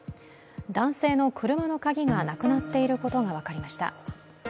男性の車の鍵がなくなっていることが分かりました。